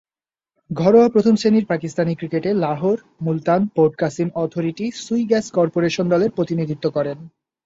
ঘরোয়া প্রথম-শ্রেণীর পাকিস্তানি ক্রিকেটে Lahore, Multan, port Qasim authority, Sui gas corporation দলের প্রতিনিধিত্ব করেন।